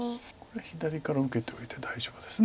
これ左から受けておいて大丈夫です。